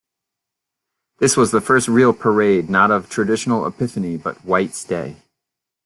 That was the first real Parade not of traditional Epiphany but Whites' Day.